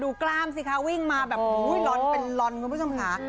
กล้ามสิคะวิ่งมาแบบร้อนเป็นลอนคุณผู้ชมค่ะ